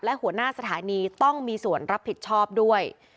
และหัวหน้าสถานีต้องมีส่วนรับผิดชอบด้วย